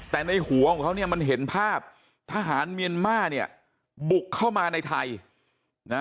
แต่ในหัวของเขาเนี่ยมันเห็นภาพทหารเมียนมาร์เนี่ยบุกเข้ามาในไทยนะ